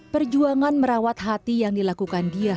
perjuangan merawat hati yang dilakukan dia